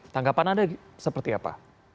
tanggapan anda seperti apa